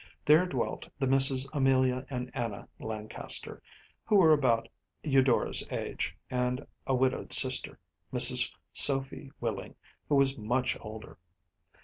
There dwelt the Misses Amelia and Anna Lancaster, who were about Eudora’s age, and a widowed sister, Mrs. Sophia Willing, who was much older.